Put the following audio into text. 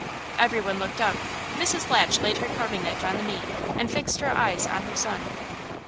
Everyone looked up. Mrs. Latch laid her carving knife on the meat and fixed her eyes on her son.